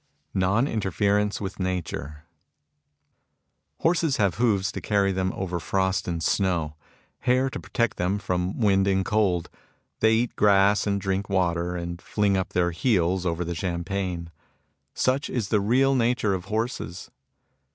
NON INTERFERENCE WITH NATURE Horses have hoofs to oarry them over frost and snow ; hair, to protect them from wind and oold. They eat grass and drink water, and fling up their heels over the champaign. Such is the real nature of horses.